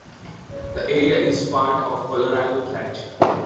The area is part of the Colorado Plateau.